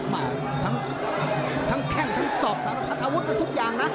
มาทั้งแข่งสอบสารพันธ์อาวุธกันทุกอย่างนะ